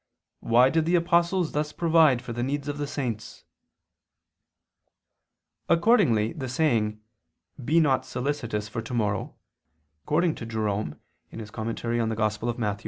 Why did the apostles thus provide for the needs of the saints?" Accordingly the saying: "Be not solicitous for tomorrow," according to Jerome (Super Matth.)